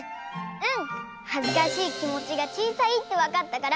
うん！